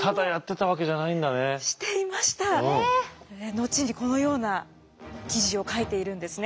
後にこのような記事を書いているんですね。